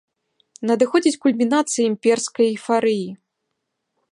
Надыходзіць кульмінацыя імперскай эйфарыі.